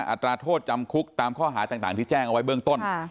อัตราโทษจำคุกตามข้อหาต่างที่แจ้งเอาไว้เบื้องต้น